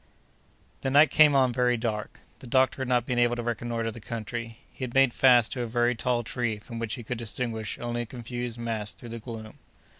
The night came on very dark. The doctor had not been able to reconnoitre the country. He had made fast to a very tall tree, from which he could distinguish only a confused mass through the gloom.